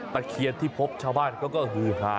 ตะเคียนที่พบชาวบ้านเขาก็ฮือฮา